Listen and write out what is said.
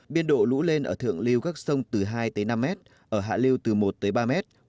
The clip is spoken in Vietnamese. biên độ lũ lên ở thượng lưu các sông từ hai tới năm mét ở hạ liêu từ một tới ba mét